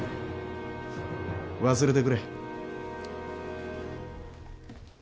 忘れてくれ。